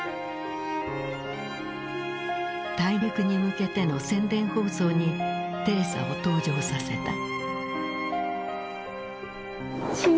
大陸に向けての宣伝放送にテレサを登場させた。